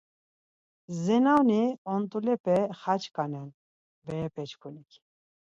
Zenoni ont̆ulepe xaçkanen berepeçkunik.